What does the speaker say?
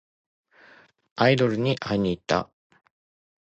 アイドルに会いにいった。